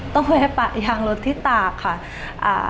ต้องแวะปะยางรถที่ตากค่ะ